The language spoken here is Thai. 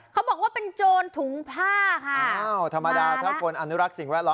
เขาบอกว่าเป็นโจรถุงผ้าค่ะอ้าวธรรมดาถ้าคนอนุรักษ์สิ่งแวดล้อ